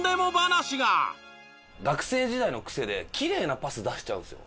学生時代の癖でキレイなパス出しちゃうんですよ。